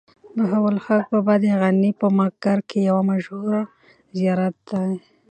بهاوالحق بابا د غزني په مقر کې يو مشهور زيارت دی.